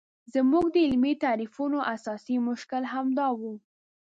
زموږ د علمي تعریفونو اساسي مشکل همدا دی.